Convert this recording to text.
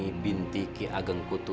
kamu harus bisa menarikannya seperti warung